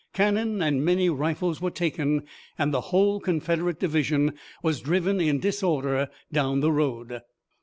Cannon and many rifles were taken, and the whole Confederate division was driven in disorder down the road.